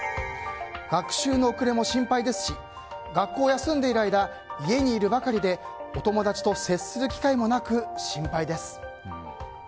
学習の遅れも心配ですし学校を休んでいる間家にいるばかりでお友達と接する機会もなく心配です。